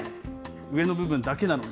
上の部分だけなのに。